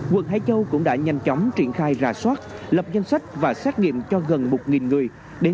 quận hải châu cũng đã nhanh chóng triển khai rà soát lập danh sách và xét nghiệm cho gần một người